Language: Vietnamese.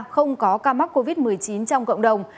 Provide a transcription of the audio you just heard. không có ca mắc covid một mươi chín trong cộng đồng